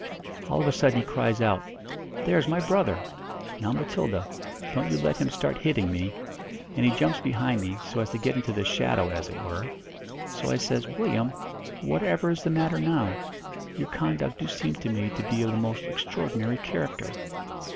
All of a sudden he cries out, 'There is my brother! Now, Matilda, don't you let him start hitting me.' And he jumps behind me, so as to get into the shadow, as it were. So I says, 'Willyum, whatever is the matter now? Your conduct do seem to me to be of the most extraordinary character.'